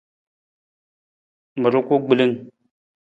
Ma ruku gbilung.